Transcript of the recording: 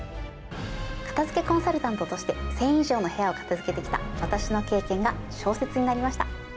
片づけコンサルタントとして１０００以上の部屋を片づけてきた私の経験が小説になりました